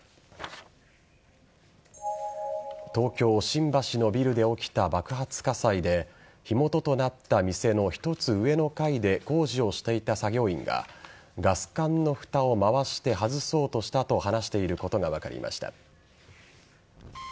東京・新橋のビルで起きた爆発火災で火元となった店の１つ上の階で工事をしていた作業員がガス管のふたを回して外そうとしたと話していることが分かりました。